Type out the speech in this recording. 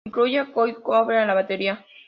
Incluye a Cozy Powell a la batería.